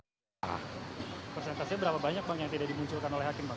percentasinya berapa banyak yang tidak dimunculkan oleh hakim